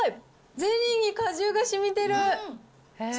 ゼリーに果汁がしみてる。